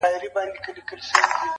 و دربار ته یې حاضر کئ بېله ځنډه.